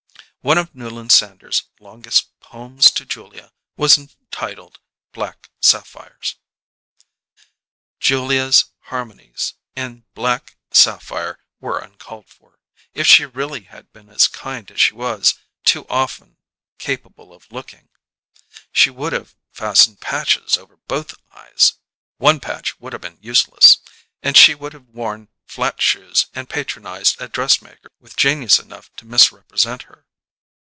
One of Newland Sanders's longest Poems to Julia was entitled "Black Sapphires." Julia's harmonies in black sapphire were uncalled for. If she really had been as kind as she was too often capable of looking, she would have fastened patches over both eyes one patch would have been useless and she would have worn flat shoes and patronized a dressmaker with genius enough to misrepresent her.